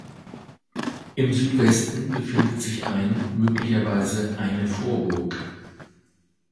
Im Südwesten befindet sich ein möglicherweise eine Vorburg.